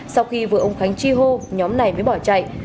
sau khi vừa ông khánh chi hô nhóm này mới bỏ chạy